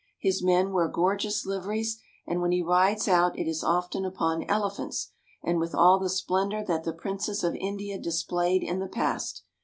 His men wear gorgeous Uveries, and when he rides out it is often upon elephants, and with all the splendor that the princes of India displayed in the past.